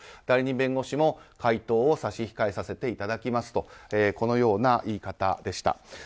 代理人弁護士も回答を差し控えさせていただきますとこのような言い方でした。